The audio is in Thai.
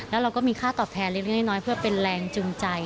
แล้วเราก็มีค่าตอบแทนเล็กน้อยเพื่อเป็นแรงจูงใจ